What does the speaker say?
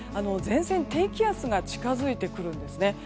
前線、低気圧が近づいてくるんですね。